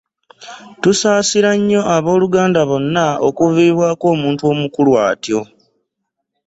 Tusaasira nnyo abooluganda bonna okuviibwako omuntu omukulu atyo!